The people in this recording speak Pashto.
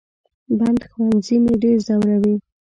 بند ښوونځي مې ډېر زوروي